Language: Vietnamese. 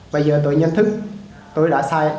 bây giờ tôi nhận thức tôi đã sai